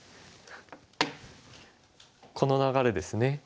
この流れですね。